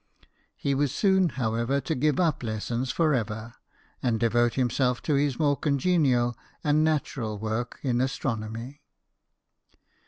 He was soon, however, to ^ive up lessons for ever, and devote himself to his more congenial and natural work in astronomy.